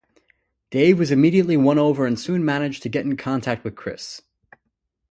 Dave was immediately won over and soon managed to get in contact with Chris.